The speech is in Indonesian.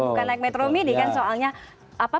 bukan naik metromini kan soalnya